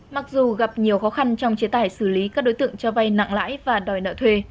mặc dù gặp nhiều khó khăn trong chế tải xử lý các đối tượng cho vay nặng lãi và đòi nợ thuê